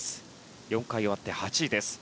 ４回終わって８位。